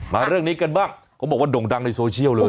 เรื่องนี้กันบ้างเขาบอกว่าด่งดังในโซเชียลเลย